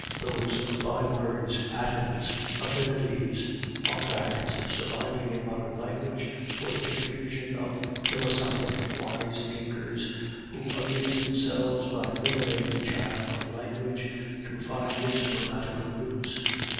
Those by words "atoms," "affinities" are facts surviving in modern languages for the confusion of philosophic wiseacres who amuse themselves by winnowing the chaff of language to find its grammatical roots.